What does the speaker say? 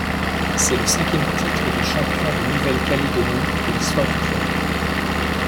C'est le cinquième titre de champion de Nouvelle-Calédonie de l'histoire du club.